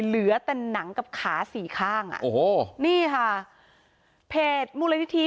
เหลือแต่หนังกับขาสี่ข้างอ่ะโอ้โหนี่ค่ะเพจมูลนิธิ